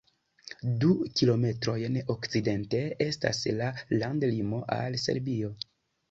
Du kilometrojn okcidente estas la landlimo al Serbio.